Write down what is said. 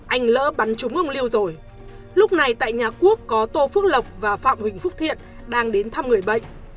anh lỡ bắn chúng ông liêu rồi lúc này tại nhà quốc có tô phước lộc và phạm huỳnh phúc thiện đang đến thăm người bệnh